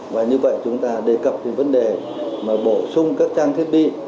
và như vậy chúng ta đề cập vấn đề bổ sung các trang thiết bị